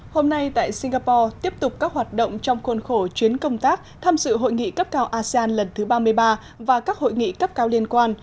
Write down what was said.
hôm nay tại singapore tiếp tục các hoạt động trong khuôn khổ chuyến công tác tham dự hội nghị cấp cao asean lần thứ ba mươi ba và các hội nghị cấp cao liên quan